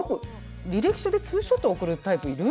履歴書でツーショット送るタイプいる？